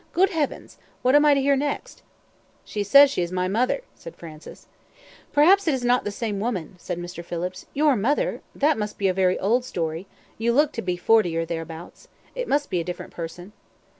Good Heavens! what am I to hear next?" "She says she is my mother," said Francis. "Perhaps it is not the same woman," said Mr. Phillips. "Your mother! that must be a very old story; you look to be forty, or thereabouts. It must be a different person."